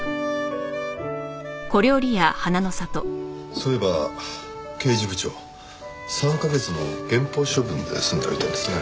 そういえば刑事部長３カ月の減俸処分で済んだみたいですね。